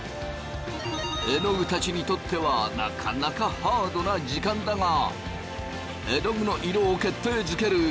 えのぐたちにとってはなかなかハードな時間だがえのぐの色を決定づける